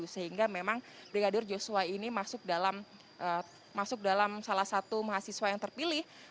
sehingga memang brigadir joshua ini masuk dalam salah satu mahasiswa yang terpilih